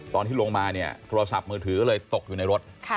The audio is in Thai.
ตอนที่ลงมาเนี่ยโทรศัพท์มือถือก็เลยตกอยู่ในรถ